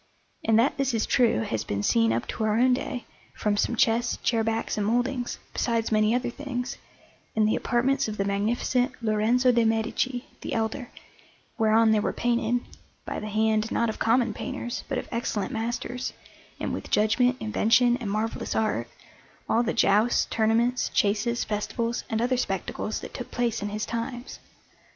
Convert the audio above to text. And that this is true has been seen up to our own day from some chests, chair backs, and mouldings, besides many other things, in the apartments of the Magnificent Lorenzo de' Medici, the Elder, whereon there were painted by the hand, not of common painters, but of excellent masters, and with judgment, invention, and marvellous art all the jousts, tournaments, chases, festivals, and other spectacles that took place in his times.